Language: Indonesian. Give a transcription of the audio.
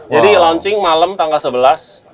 jadi launching malam tanggal sebelas